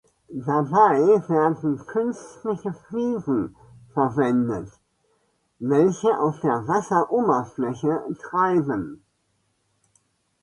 Dabei werden künstliche Fliegen verwendet, welche auf der Wasseroberfläche treiben.